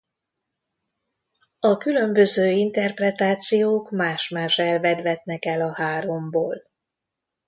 A különböző interpretációk más-más elvet vetnek el a háromból.